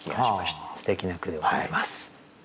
すてきな句でございます。